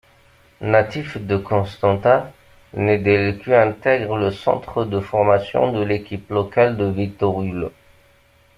Natif de Constanța, Nedelcu intègre le centre de formation de l'équipe locale du Viitorul.